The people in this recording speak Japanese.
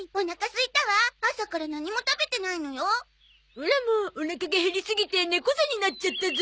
オラもおなかが減りすぎて猫背になっちゃったゾ。